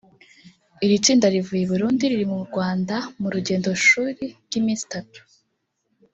Iri tsinda rivuye i Burundi riri mu Rwanda mu rugendo shuri ry’iminsi itatu